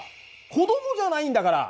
子どもじゃないんだから。